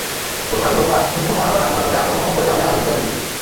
গতকাল রোববার মুখ্য মহানগর হাকিম আদালতে আত্মসমর্পণ করে জামিনের আবেদন করেন তিনি।